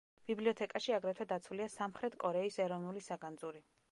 ბიბლიოთეკაში აგრეთვე დაცულია სამხრეთ კორეის ეროვნული საგანძური.